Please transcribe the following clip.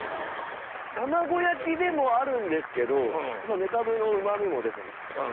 卵焼きでもあるんですけどメカブのうま味も出てますし。